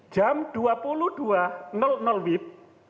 jam dua puluh dua wib